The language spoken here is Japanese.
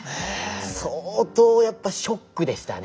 相当やっぱショックでしたね。